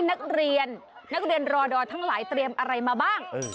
นักเรียนนักเรียนรอดอทั้งหลายเตรียมอะไรมาบ้าง